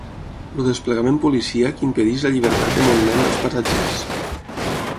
El desplegament policíac impedeix la llibertat de moviment dels passatgers.